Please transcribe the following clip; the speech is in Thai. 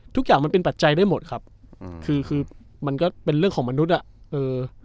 ทุกอย่างมันเป็นปัจจัยได้หมดครับอืมคือคือมันก็เป็นเรื่องของมนุษย์อ่ะเออ